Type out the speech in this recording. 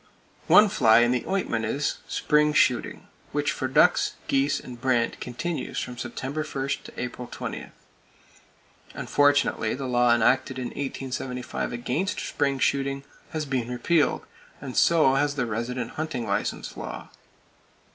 One fly in the ointment is—spring shooting; which for ducks, geese and brant continues from September 1 to April 20. Unfortunately the law enacted in 1875 against spring shooting has been repealed, and so has the resident hunting license law (1911).